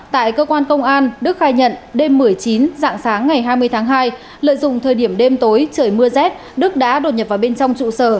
tại cơ quan công an đức khai nhận đêm một mươi chín dạng sáng ngày hai mươi tháng hai lợi dụng thời điểm đêm tối trời mưa rét đức đã đột nhập vào bên trong trụ sở